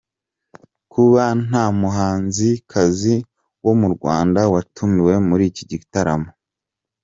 Kuba nta muhanzikazi wo mu Rwanda watumiwe muri iki gitaramo.